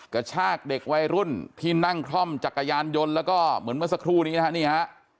กระชากเด็กวัยรุ่นที่นั่งคล่อมจักรยานยนต์แล้วก็เหมือนเมื่อสักครู่นี้นะฮะนี่ฮะ